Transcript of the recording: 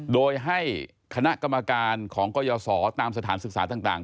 โดยให้คณะกรรมการของกรยศตามสถานศึกษาต่าง